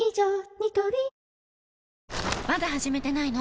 ニトリまだ始めてないの？